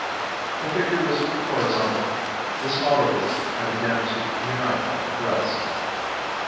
The figure was horizontal; the smaller roots had begun to unite at the breast.